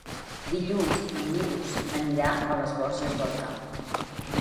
Dilluns en Milos anirà a les Borges del Camp.